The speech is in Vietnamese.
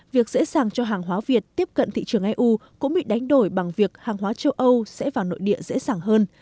việc dễ dàng cho hàng hóa việt tiếp cận thị trường eu cũng bị đánh đổi bằng việc hàng hóa châu âu sẽ vào nội địa dễ dàng hơn